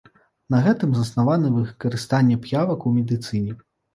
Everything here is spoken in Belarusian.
На гэтым заснавана выкарыстанне п'явак у медыцыне.